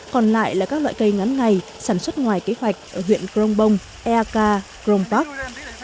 còn lại là các loại cây ngắn ngày sản xuất ngoài kế hoạch ở huyện grongbong ea ca grong park